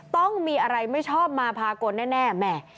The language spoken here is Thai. ต้องมีอะไรไม่ชอบมาพากลแน่แหม่